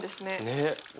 ねえ。